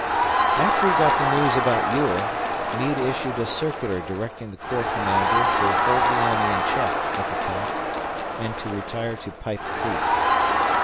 After he got the news about Ewell, Meade issued a circular directing the corps commanders to hold the enemy in check, if attacked, and to retire to Pipe Creek.